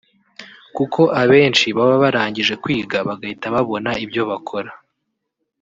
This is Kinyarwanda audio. kuko abenshi baba bararangije kwiga bagahita babona ibyo bakora”